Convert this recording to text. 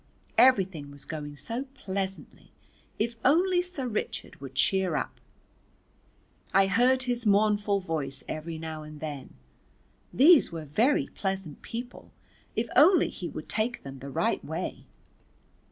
Everything was going so pleasantly if only Sir Richard would cheer up. I heard his mournful voice every now and then these were very pleasant people if only he would take them the right way.